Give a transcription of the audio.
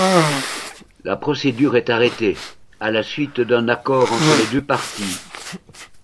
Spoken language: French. La procédure est arrêtée, à la suite d'un accord entre les deux parties.